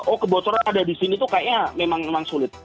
oh kebocoran ada di sini tuh kayaknya memang sulit